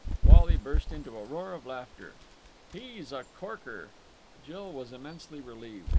Wally burst into a roar of laughter. "He's a corker!" Jill was immensely relieved.